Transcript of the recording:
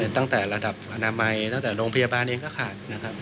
ตั้งแต่ระดับอนามัยตั้งแต่โรงพยาบาลเองก็ขาดนะครับ